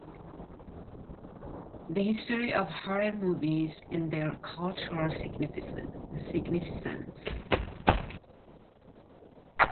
The history of horror movies and their cultural significance